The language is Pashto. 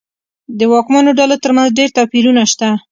د واکمنو ډلو ترمنځ ډېر توپیرونه شته.